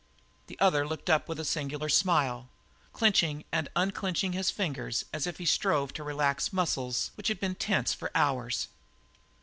The other looked up with a singular smile, clenching and unclenching his fingers as if he strove to relax muscles which had been tense for hours.